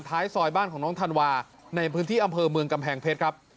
ท้ายซอยบ้านของน้องธันวาในพื้นที่อำเภอเมืองกำแพงเพชรครับ